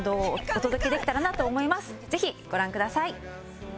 ぜひご覧ください。